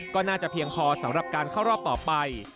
ก็น่าจะเพียงพอสำหรับการเข้ารอบต่อไป